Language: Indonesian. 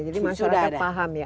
jadi masyarakat paham ya